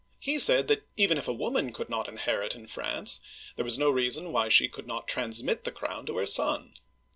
He said that even if a woman could not inherit in France, there was no reason why she could not transmit the crown to her son.